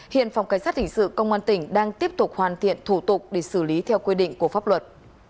hiện phòng cảnh sát hình sự công an tỉnh đang tiếp tục hoàn thiện thủ tục để xử lý theo quy định của pháp luật